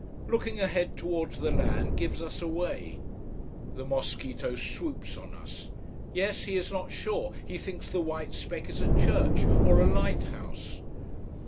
Looking ahead towards the land gives us away. The mosquito swoops on us. Yes he is not sure he thinks the white speck is a church or a lighthouse.